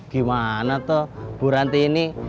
gimana tuh buranti ini